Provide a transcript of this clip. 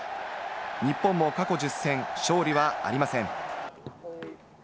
日本も過去１０戦、勝利はありません。